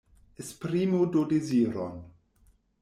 Esprimu do deziron.